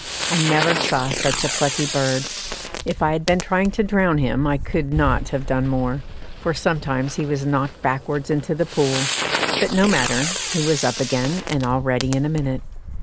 I never saw such a plucky bird. If I had been trying to drown him I could not have done more, for sometimes he was knocked backwards into the pool; but no matter, he was up again, and all ready in a minute.